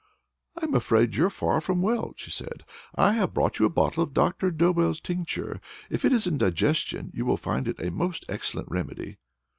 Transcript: "I am afraid you are far from well," she said, "and have brought you a bottle of Doctor Dobell's tincture. If it is indigestion, you will find it a most excellent remedy."